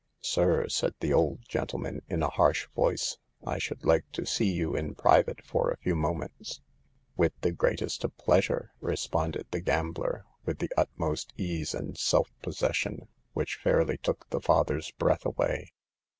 "Sir/' said the old gentleman, in a harsh voice, " I should like to see you in private for a few moments." " With the greatest of pleasure," responded the gambler with the utmost ease and self pos session, which fairly took the father's breath away.